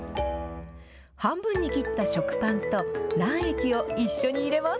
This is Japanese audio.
半分に切った食パンと卵液を一緒に入れます。